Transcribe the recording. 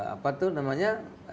apa tuh namanya